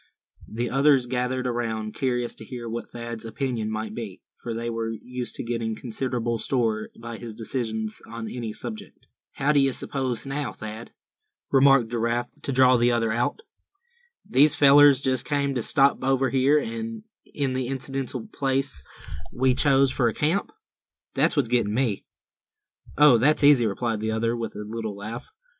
The others gathered around, curious to hear what Thad's opinion might be; for they were used to setting considerable store by his decisions on any subject. "How d'ye s'pose now, Thad," remarked Giraffe, to draw the other out, "these fellers just came to stop over here, in the identical place we chose for a camp? That what's getting me." "Oh that's easy," replied the other, with a little laugh.